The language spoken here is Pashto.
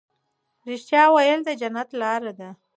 رښتیا ویل د جنت لار ده.